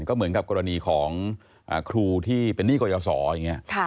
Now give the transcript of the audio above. ก็เหมือนกับกรณีของครูที่เป็นหนี้กรยาศรอย่างนี้